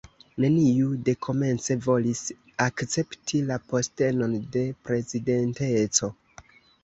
Neniu dekomence volis akcepti la postenon de prezidenteco.